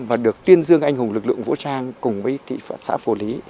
và được tuyên dương anh hùng lực lượng vũ trang cùng với tỷ phạt xã phủ lý